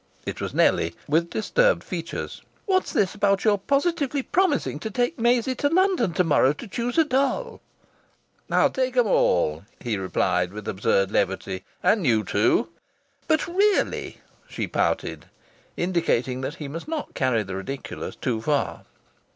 It was Nellie, with disturbed features. "What's this about your positively promising to take Maisie to London to morrow to choose a doll?" "I'll take 'em all," he replied with absurd levity. "And you too!" "But really " she pouted, indicating that he must not carry the ridiculous too far.